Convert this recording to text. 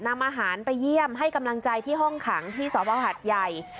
นำอาหารไปเยี่ยมให้กำลังใจที่ห้องขังที่สวหัดใหญ่